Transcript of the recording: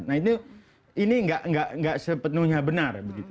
nah ini nggak sepenuhnya benar begitu